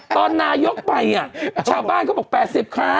ตอนนายกไปอ่ะเช้าบ้านเขาบอกแปดสิบค้า